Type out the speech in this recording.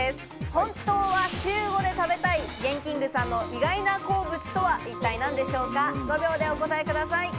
本当は週５で食べたいＧＥＮＫＩＮＧ．さんの意外な好物とは一体何でしょうか？